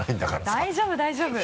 大丈夫大丈夫！